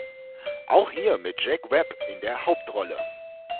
Auch hier mit Jack Webb in der Hauptrolle.